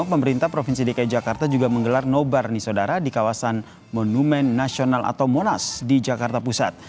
pemerintah provinsi dki jakarta juga menggelar nobar nisodara di kawasan monumen nasional atau monas di jakarta pusat